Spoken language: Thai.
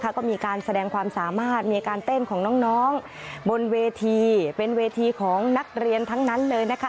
ก็มีการแสดงความสามารถมีการเต้นของน้องบนเวทีเป็นเวทีของนักเรียนทั้งนั้นเลยนะคะ